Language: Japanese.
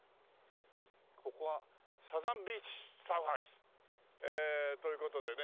ここは「サザンビーチサーフハウス」。という事でね